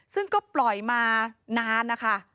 ซึ่งก็ปล่อยมานานนะคะ